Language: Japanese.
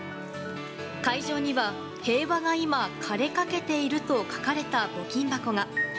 会場には「平和がいま、枯れかけている。」と書かれた募金箱が。